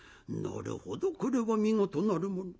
なるほどこれは見事なるもの。